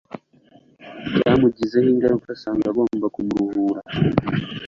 byamugizeho ingaruka asanga agomba kumuruhura